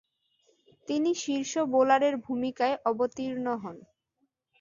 তিনি শীর্ষ বোলারের ভূমিকায় অবতীর্ণ হন।